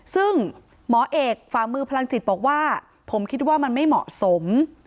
ซึ่งหมอเอกฝ่ามือพลังจิตบอกว่าผมคิดว่ามันไม่เหมาะสม